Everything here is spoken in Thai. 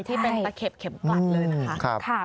ที่เป็นตะเข็บเข็มกลัดเลยนะคะ